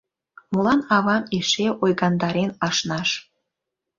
Молан авам эше ойгандарен ашнаш?